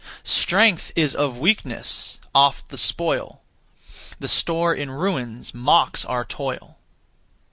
Strength is of weakness oft the spoil; The store in ruins mocks our toil.